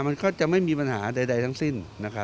มันก็จะไม่มีปัญหาใดทั้งสิ้น